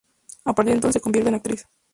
A partir de entonces se convierte en actriz.